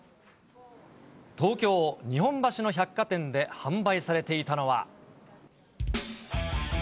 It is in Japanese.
東京・日本橋の百貨店で販売されていたのは。